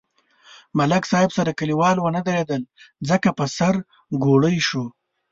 ملک صاحب سره کلیوال و نه درېدل ځکه په سر کوړئ شو.